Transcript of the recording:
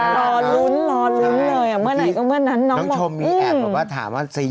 หรอรุ้นเลยอ่ะเมื่อไหร่ก็เมื่อนั้นน้องน้องมีแอบแบบว่าถามว่า